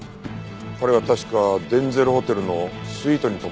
彼は確かデンゼルホテルのスイートに泊まっていたな。